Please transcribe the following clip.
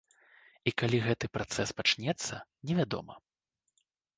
І калі гэты працэс пачнецца, невядома.